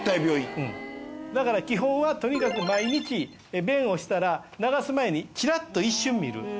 だから基本はとにかく毎日便をしたら流す前にチラッと一瞬見る。